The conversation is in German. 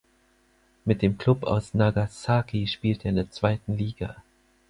Mit dem Club aus Nagasaki spielte er in der zweiten Liga.